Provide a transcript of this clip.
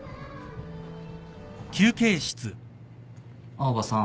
青羽さん。